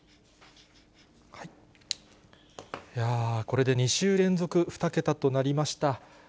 いやー、これで２週連続２桁となりました。